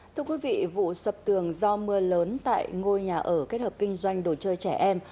thưa quý vị vụ sập tường do mưa lớn tại ngôi nhà ở kết hợp kinh doanh đồ chơi trẻ em